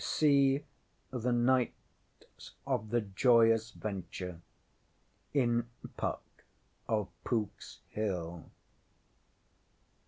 [See ŌĆśThe Knights of the Joyous VentureŌĆÖ in PUCK OF POOKŌĆÖS HILL.